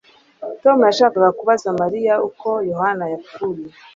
Tom yashakaga kubaza Mariya uko Yohana yapfuye